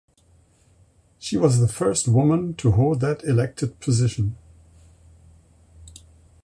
She was the first woman to hold that elected position.